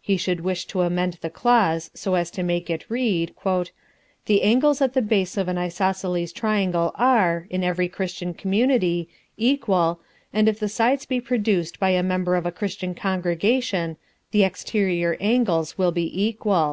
He should wish to amend the clause so as to make it read: "The angles at the base of an isosceles triangle are, in every Christian community, equal, and if the sides be produced by a member of a Christian congregation, the exterior angles will be equal."